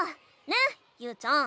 ねゆうちゃん。